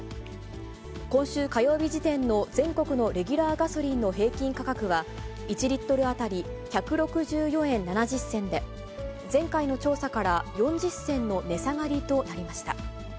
今週火曜日時点の全国のレギュラーガソリンの平均価格は、１リットル当たり１６４円７０銭で、前回の調査から４０銭の値下がりとなりました。